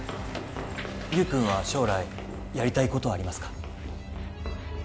優くんは将来やりたいことはありますか？